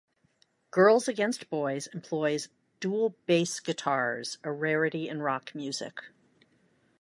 Girls Against Boys employs dual bass guitars, a rarity in rock music.